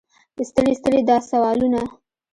ستړي ستړي دا سوالونه.